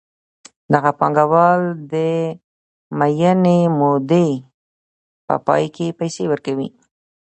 دغه پانګوال د معینې مودې په پای کې پیسې ورکوي